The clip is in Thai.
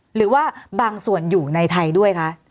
หรือว่าบางส่วนอยู่ในไทยด้วยคะ